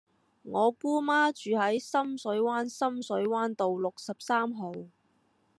我姑媽住喺深水灣深水灣道六十三號